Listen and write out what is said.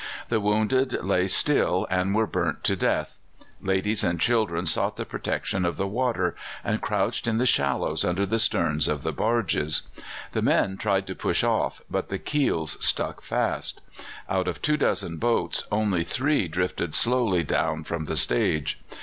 The wounded lay still and were burnt to death. Ladies and children sought the protection of the water, and crouched in the shallows under the sterns of the barges. The men tried to push off, but the keels stuck fast. Out of two dozen boats only three drifted slowly down from the stage.